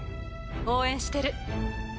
応援してる。